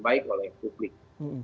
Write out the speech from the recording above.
baik oleh publik